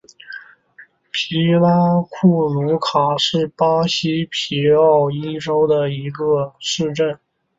皮拉库鲁卡是巴西皮奥伊州的一个市镇。